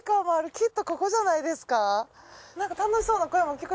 きっとここじゃないですか？